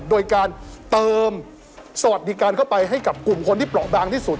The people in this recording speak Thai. โดยการเติมสวัสดิการเข้าไปให้กับกลุ่มคนที่เปราะบางที่สุด